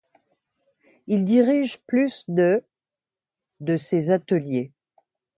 Il dirige plus de de ces ateliers.